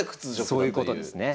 そういうことですね。